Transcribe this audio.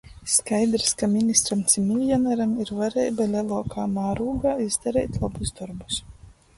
Skaidrys, ka ministram ci miļjonaram ir vareiba leluokā mārūgā izdareit lobus dorbus.